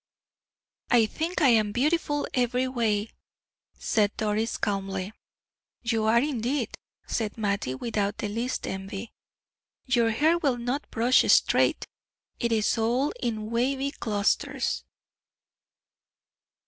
"I think I am beautiful every way," said Doris, calmly. "You are, indeed," said Mattie, without the least envy. "Your hair will not brush straight! It is all in wavy clusters."